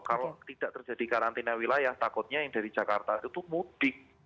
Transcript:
kalau tidak terjadi karantina wilayah takutnya yang dari jakarta itu mudik